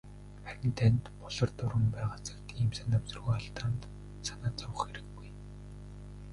Харин танд "Болор дуран" байгаа цагт ийм санамсаргүй алдаанд санаа зовох хэрэггүй.